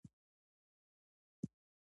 په افغانستان کې د ژمی تاریخ اوږد دی.